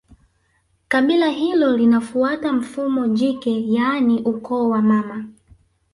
Kabila hilo linafuata mfumo jike yaani ukoo wa mama